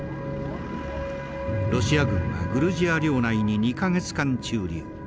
ロシア軍はグルジア領内に２か月間駐留。